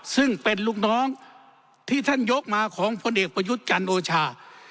ซึ่งเป็นลูกน้องที่ท่านยกมาของพลเอกประยุทธ์จันโอชา